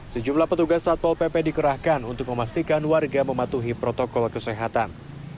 sejumlah petugas satpol pp dikerahkan untuk memastikan warga mematuhi protokol kesehatan